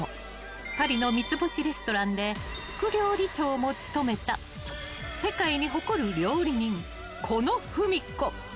パリの三つ星レストランで副料理長も務めた世界に誇る料理人、狐野扶実子。